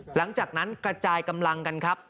หลังจากนั้นกระจายกำลังกันครับ